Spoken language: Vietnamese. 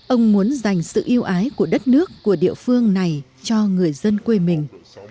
ông muốn dành sự yêu ái của đất nước của địa phương này cho người dân quê mình